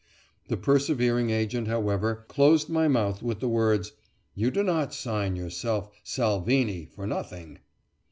The persevering agent, however, closed my mouth with the words, "You do not sign yourself 'Salvini' for nothing!"